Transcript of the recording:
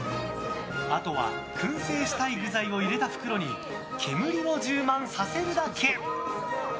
あとは燻製したい具材を入れた袋に煙を充満させるだけ。